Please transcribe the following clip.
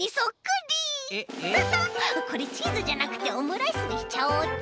これチーズじゃなくてオムライスにしちゃおうっと！